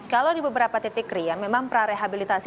kalau di beberapa titik rian memang pra rehabilitasi